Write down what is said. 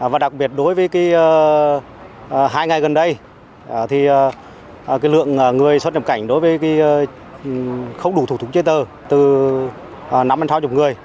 và đặc biệt đối với hai ngày gần đây thì lượng người xuất nhập cảnh đối với không đủ thủ tục chế tờ từ năm sáu mươi người